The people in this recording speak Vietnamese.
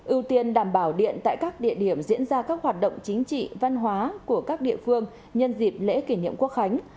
ưu tiên đảm bảo điện tại các địa điểm diễn ra các hoạt động chính trị văn hóa của các địa phương nhân dịp lễ kỷ niệm quốc khánh